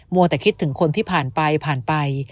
วัวแต่คิดถึงคนที่ผ่านไปผ่านไป